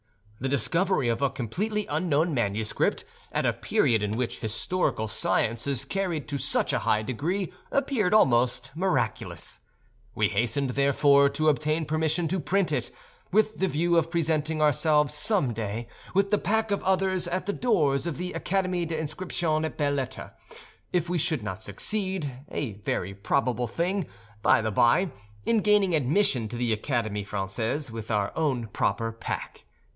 The discovery of a completely unknown manuscript at a period in which historical science is carried to such a high degree appeared almost miraculous. We hastened, therefore, to obtain permission to print it, with the view of presenting ourselves someday with the pack of others at the doors of the Académie des Inscriptions et Belles Lettres, if we should not succeed—a very probable thing, by the by—in gaining admission to the Académie Française with our own proper pack.